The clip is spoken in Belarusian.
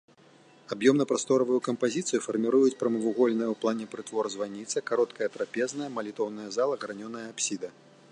Аб'ёмна-прасторавую кампазіцыю фарміруюць прамавугольная ў плане прытвор-званіца, кароткая трапезная, малітоўная зала, гранёная апсіда.